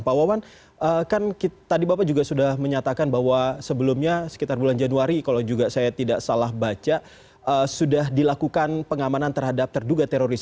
pak wawan kan tadi bapak juga sudah menyatakan bahwa sebelumnya sekitar bulan januari kalau juga saya tidak salah baca sudah dilakukan pengamanan terhadap terduga teroris